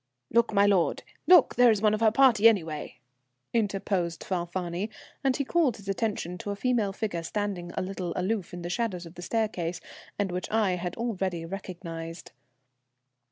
"Look, my lord, look, there's one of her party, anyway," interposed Falfani, and he called his attention to a female figure standing a little aloof in the shadow of the staircase, and which I had already recognized.